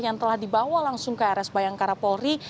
yang telah dibawa langsung ke rs bayangkara polri